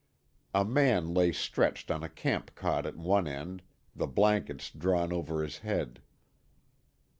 A man lay stretched on a camp cot at one end, the blankets drawn over his head.